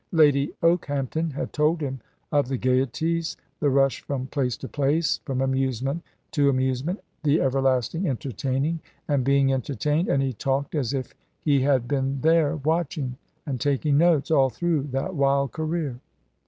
Lady Okehampton had told him of the gaieties, the rush from place to place, from amusement to amusement, the everlasting entertaining and being entertained; and he talked as if he had been there, watching and taking notes, all through that wild career.